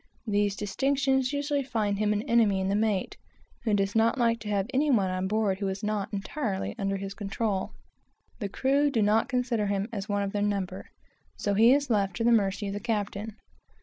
These distinctions usually find him an enemy in the mate, who does not like to have any one on board who is not entirely under his control; the crew do not consider him as one of their number, so he is left to the mercy of the captain.